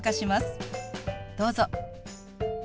どうぞ。